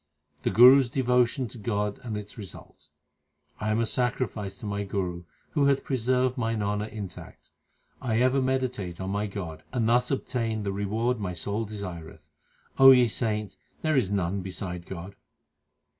The Guru s devotion to God and its results : 1 am a sacrifice to my Guru Who hath preserved mine honour intact. I ever meditate on my God, And thus obtain the reward my soul desireth. O ye saints, there is none beside God.